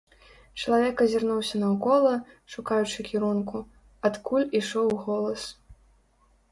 Чалавек азірнуўся наўкола, шукаючы кірунку, адкуль ішоў голас.